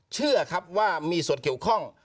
เชื่อครับว่ามีส่วนเกี่ยวข้อง